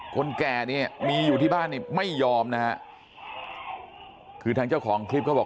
คนแก่เนี่ยมีอยู่ที่บ้านนี่ไม่ยอมนะฮะคือทางเจ้าของคลิปเขาบอก